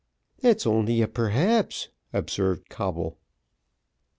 "That's only a perhaps," observed Coble.